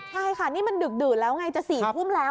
ใช่ค่ะนี่มันดึกดื่นแล้วไงจะ๔ทุ่มแล้ว